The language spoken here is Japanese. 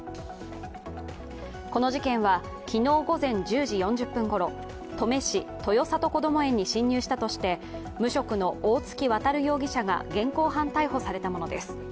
この事件は、昨日午前１０時４０分ごろ、登米市、豊里こども園に侵入したとして無職の大槻渉容疑者が現行犯逮捕されたものです。